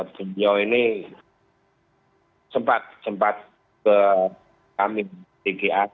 beliau ini sempat sempat ke kami bgk